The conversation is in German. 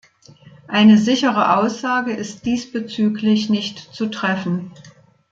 Eine sichere Aussage ist diesbezüglich nicht zu treffen.